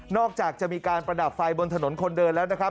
อกจากจะมีการประดับไฟบนถนนคนเดินแล้วนะครับ